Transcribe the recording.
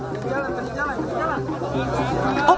teri jalan teri jalan teri jalan